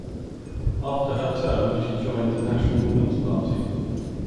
After her term she joined the National Woman's Party.